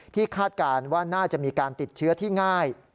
คาดการณ์ว่าน่าจะมีการติดเชื้อที่ง่าย